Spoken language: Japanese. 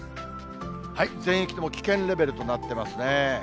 全域とも危険レベルとなってますね。